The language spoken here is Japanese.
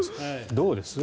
どうです？